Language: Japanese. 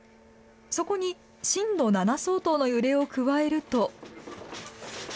そこに震度７相当の揺れを加えると。